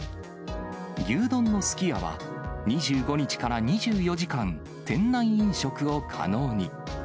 牛丼のすき家は、２５日から２４時間、店内飲食を可能に。